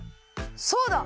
そうだ！